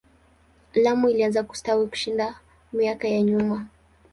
Lamu ilianza kustawi kushinda miaka ya nyuma.